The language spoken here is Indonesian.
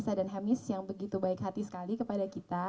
tentunya juga dengan raisa dan hemish yang begitu baik hati sekali kepada kita